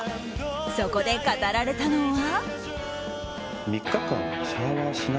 そこで語られたのは。